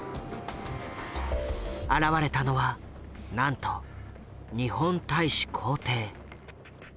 現れたのはなんと日本大使公邸。